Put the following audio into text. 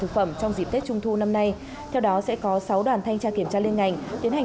thực phẩm trong dịp tết trung thu năm nay theo đó sẽ có sáu đoàn thanh tra kiểm tra liên ngành tiến hành